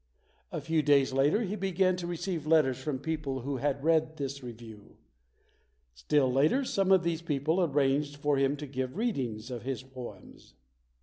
A few days later he began to receive letters from people who had read this review. Still later, some of these people arranged for him to give readings of his poems.